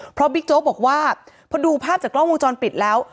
เพราะบิ๊กโจ๊กบอกว่าพอดูภาพจากกล้องวงจรปิดแล้ว